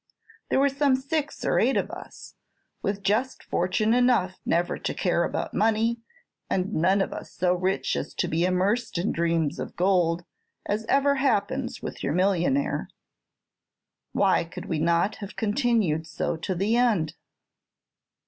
There were some six or eight of us, with just fortune enough never to care about money, and none of us so rich as to be immersed in dreams of gold, as ever happens with your millionnaire. Why could we not have continued so to the end?"